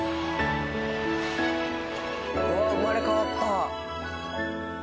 うわあ生まれ変わった。